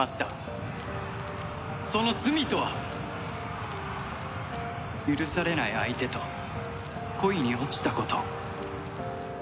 その罪とは許されない相手と恋に落ちたこと。